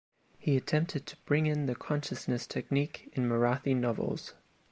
He attempted to bring in the consciousness technique in Marathi novels.